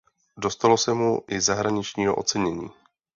Dostalo se mu i zahraničního ocenění.